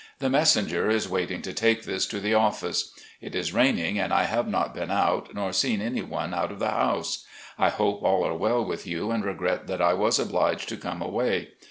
The messenger is waiting to take this to the office. It is raining, and I have not been out nor seen any one out of the house. I hope all are well with you, and regret that I was obliged to come away.